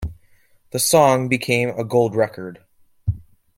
The song became a Gold record.